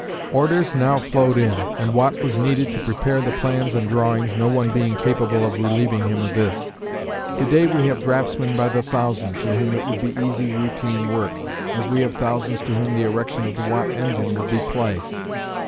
Orders now flowed in, and Watt was needed to prepare the plans and drawings, no one being capable of relieving him of this. To day we have draftsmen by the thousand to whom it would be easy routine work, as we have thousands to whom the erection of the Watt engine would be play.